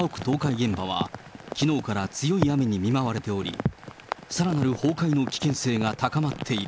現場は、きのうから強い雨に見舞われており、さらなる崩壊の危険性が高まっている。